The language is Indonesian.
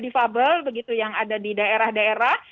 defable defable begitu yang ada di daerah daerah